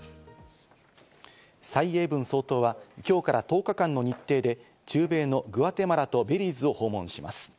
サイ・エイブン総統は今日から１０日間の日程で中米のグアテマラとベリーズを訪問します。